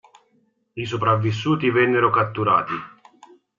I sopravvissuti vennero catturati.